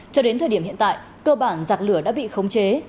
cho đến thời điểm hiện tại cơ bản giặc lửa đã bị khống chế